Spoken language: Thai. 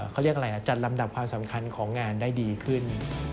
เขาเรียกอะไรจัดลำดับความสำคัญของงานได้ดีขึ้น